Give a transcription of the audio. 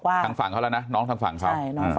หาร้องครับบอกว่าน้องน้องฝั่งเธอแล้วนะ